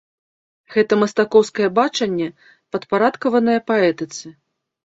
Гэта мастакоўскае бачанне, падпарадкаванае паэтыцы.